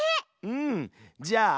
うんじゃあ